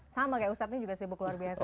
sama kayak ustadz ini juga sibuk luar biasa